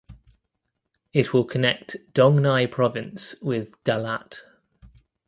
It will connect Dong Nai Province with Da Lat.